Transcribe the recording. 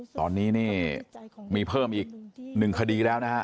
ตอนนี้มีเพิ่มอีกหนึ่งคดีแล้วนะ